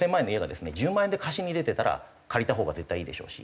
１０万円で貸しに出てたら借りたほうが絶対いいでしょうし。